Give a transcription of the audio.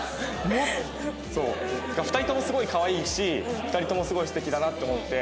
そう２人ともすごいかわいいし２人ともすごい素敵だなって思って。